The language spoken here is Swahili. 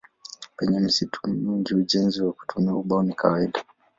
Penye misitu mingi ujenzi kwa kutumia ubao ni kawaida.